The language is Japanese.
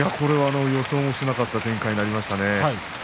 予想もしなかった展開になりましたね。